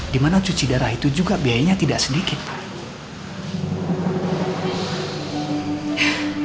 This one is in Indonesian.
dimana cuci darah itu juga biayanya tidak sedikit pak